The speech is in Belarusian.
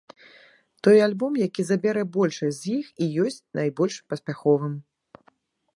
Той альбом, які забярэ большасць з іх, і ёсць найбольш паспяховым.